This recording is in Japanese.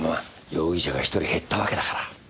容疑者が１人減ったわけだから。